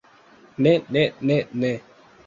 Ne ne ne ne.